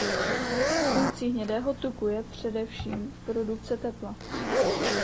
Funkcí hnědého tuku je především produkce tepla.